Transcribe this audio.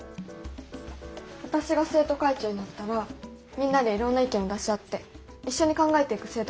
私が生徒会長になったらみんなでいろんな意見を出し合って一緒に考えていく生徒会にしたいんです。